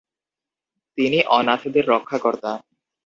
তিনি অনাথদের রক্ষাকর্তা।